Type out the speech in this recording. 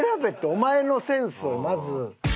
お前のセンスをまず。